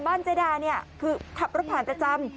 เจดาเนี่ยคือขับรถผ่านประจำ